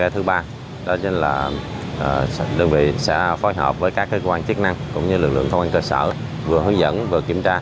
thứ ba là đơn vị sẽ phối hợp với các cơ quan chức năng cũng như lực lượng công an cơ sở vừa hướng dẫn vừa kiểm tra